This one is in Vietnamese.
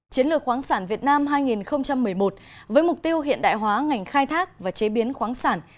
chiến lược khoáng sản việt nam hai nghìn một mươi một với mục tiêu hiện đại hóa ngành khai thác và chế biến khoáng sản